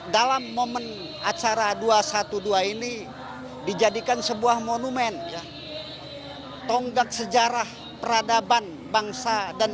dalam momen acara dua ratus dua belas ini dijadikan sebuah monumen tonggak sejarah peradaban bangsa dan